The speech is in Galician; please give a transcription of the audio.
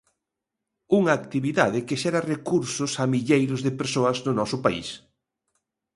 Unha actividade que xera recursos a milleiros de persoas no noso país.